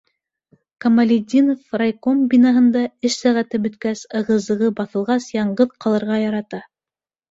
Камалетдинов райком бинаһында эш сәғәте бөткәс, ығы- зығы баҫылғас яңғыҙ ҡалырға ярата.